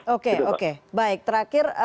oke oke baik terakhir